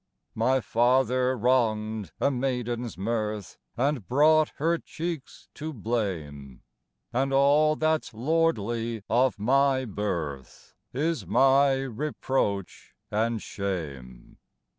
My father wrong'd a maiden's mirth, And brought her cheeks to blame, And all that's lordly of my birth Is my reproach and shame!